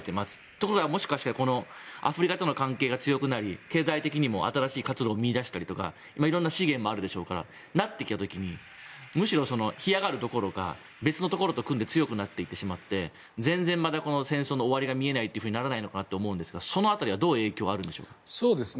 ところがもしかしてこのアフリカとの関係が強くなり経済的にも新しい活路を見いだしたりとか色んな資源があるでしょうからなってきた時にむしろ干上がるどころか別のところと組んで強くなっていってしまって全然、戦争の終わりが見えないというところだと思うんですがその辺りはどう影響があるんでしょうか。